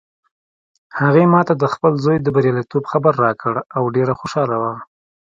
هغې ما ته د خپل زوی د بریالیتوب خبر راکړ او ډېره خوشحاله وه